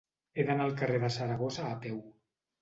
He d'anar al carrer de Saragossa a peu.